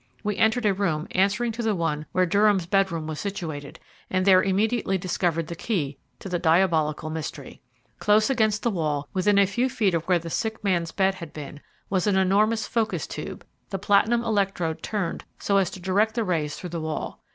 We entered a room answering to the one where Durham's bedroom was situated, and there immediately discovered the key to the diabolical mystery. Close against the wall, within a few feet of where the sick man's bed had been, was an enormous focus tube, the platinum electrode turned so as to direct the rays through the wall.